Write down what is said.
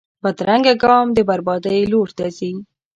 بدرنګه ګام د بربادۍ لور ته ځي